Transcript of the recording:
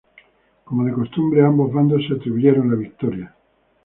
Como de costumbre ambos bandos se atribuyeron la victoria.